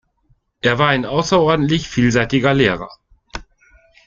Er war ein außerordentlich vielseitiger Lehrer.